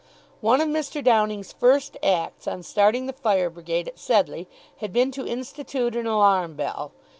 One of Mr. Downing's first acts, on starting the Fire Brigade at Sedleigh, had been to institute an alarm bell.